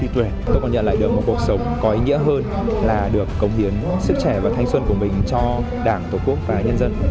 ba mươi tuổi tôi còn nhận lại được một cuộc sống có ý nghĩa hơn là được cống hiến sức trẻ và thanh xuân của mình cho đảng tổ quốc và nhân dân